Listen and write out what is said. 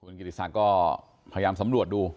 กูหลากไม้นี่สิสาก็พยายามสำรวจดู